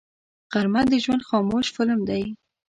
غرمه د ژوند خاموش فلم دی